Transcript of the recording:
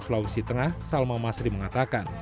sulawesi tengah salma masri mengatakan